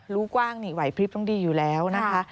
รู้กว้างนี่ไหวพลิบต้องดีอยู่แล้วนะคะ